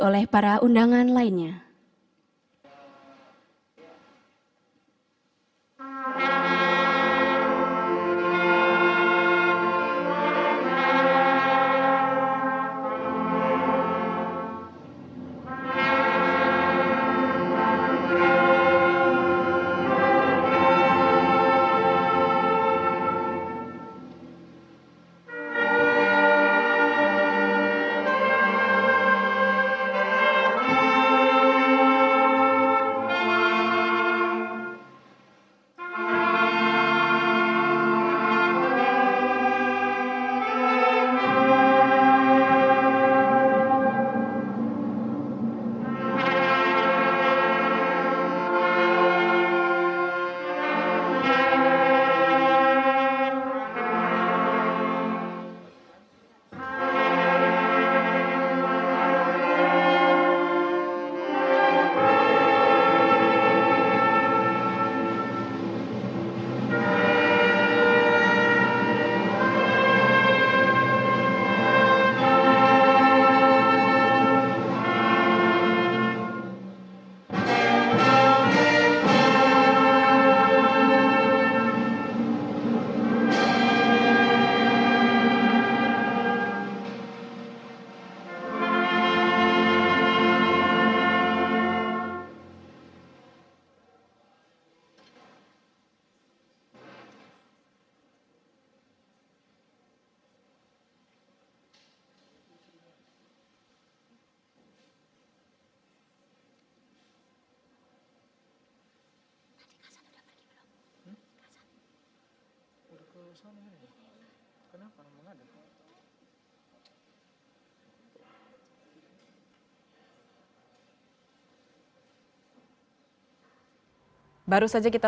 sepertinya menteri j umbras flagrant